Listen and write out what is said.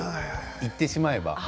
行ってしまえば。